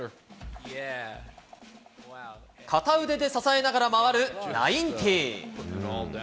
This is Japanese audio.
片腕で支えながら回るナインティ。